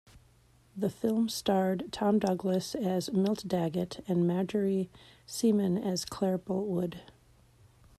The film starred Tom Douglas as Milt Daggett and Marjorie Seaman as Claire Boltwood.